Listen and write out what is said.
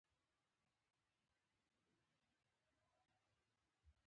د روم د پاچا استازی د کوږوالي په علت پوه شو.